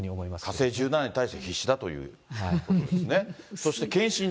火星１７に対して必死だということですね。